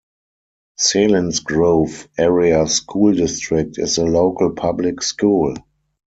Selinsgrove Area School District is the local public school.